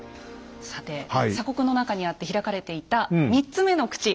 さて鎖国の中にあって開かれていた３つ目の口。